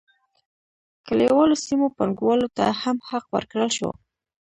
کلیوالو سیمو پانګوالو ته هم حق ورکړل شو.